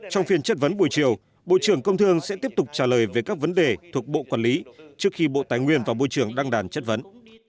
trong phiên chất vấn buổi chiều bộ trưởng công thương sẽ tiếp tục trả lời về các vấn đề thuộc bộ quản lý trước khi bộ tài nguyên và môi trường đăng đàn chất vấn